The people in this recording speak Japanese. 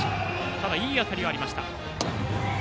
ただ、いい当たりはありました。